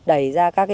rồi đẩy ra các cái